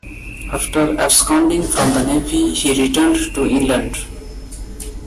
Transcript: After absconding from the Navy, he returned to England.